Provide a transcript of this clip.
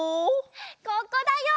ここだよ！